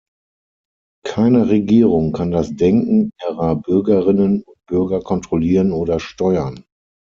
Keine Regierung kann das Denken ihrer Bürgerinnen und Bürger kontrollieren oder steuern.